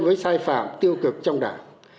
với những sai phạm tiêu cực trong đảng